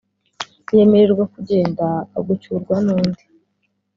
yemererwa kugenda agucyurwa n’undi